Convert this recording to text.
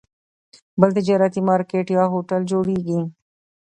بل تجارتي مارکیټ یا هوټل جوړېږي.